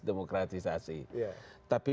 demokratisasi iya tapi